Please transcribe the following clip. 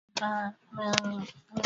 elfu kumi na tisa mia mbili na nane